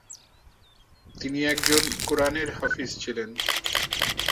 তিনি একজন কুরআনের হাফেজ ছিলেন।